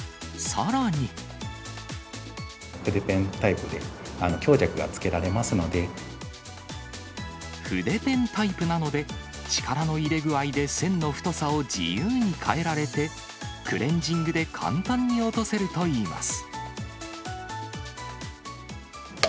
筆ペンタイプで、強弱がつけ力の入れ具合で線の太さを自由に変えられて、クレンジングで簡単に落とせるといいます。